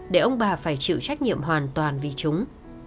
để ông bà phải chịu trách nhiệm hoàn toàn vì chúng